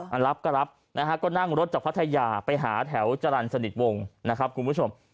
มารับก็รับนะฮะก็นั่งรถจากพัทยาไปหาแถวจรรย์สนิทวงนะครับคุณผู้ชม